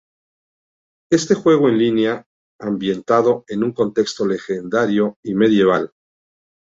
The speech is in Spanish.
Este juego en línea, ambientado en un contexto legendario y medieval.